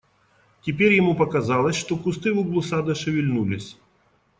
Теперь ему показалось, что кусты в углу сада шевельнулись.